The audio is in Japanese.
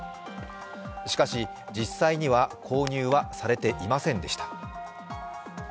しかし、実際には購入はされていませんでした。